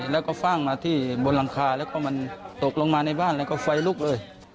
แล้วก็ฟ่างมาที่บนหลังคาแล้วก็มันตกลงมาในบ้านแล้วก็ไฟลุกเลย